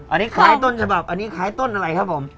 อันนี้คล้ายต้นฉบับอันนี้คล้ายต้นอะไรครับผม